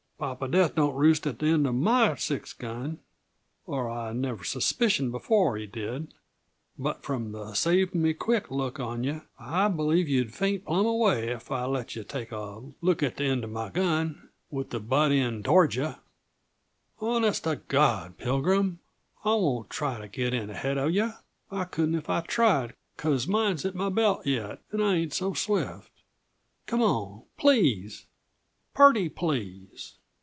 Papa Death don't roost on the end uh my six gun or I never suspicioned before that he did; but from the save me quick look on yuh, I believe yuh'd faint plumb away if I let yuh take a look at the end uh my gun, with the butt end toward yuh! "Honest t' God, Pilgrim, I won't try to get in ahead uh yuh! I couldn't if I tried, because mine's at m' belt yet and I ain't so swift. Come on! Please purty please!"